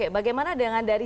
bagaimana dengan dari